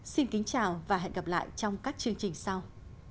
xin kính chào và hẹn gặp lại trong các chương trình sau